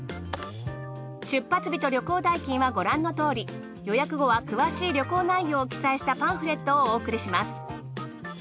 出発日と旅行代金はご覧のとおり予約後は詳しい旅行内容を記載したパンフレットをお送りします。